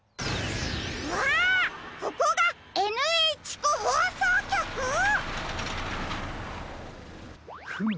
・わここがＮＨコほうそうきょく⁉フム。